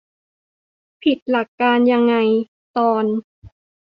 ผิดหลักการยังไง ? ตอน